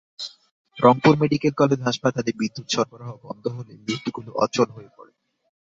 Rangpur medical college হাসপাতালে বিদ্যুৎ সরবরাহ বন্ধ হলেই লিফটগুলো অচল হয়ে পড়ে।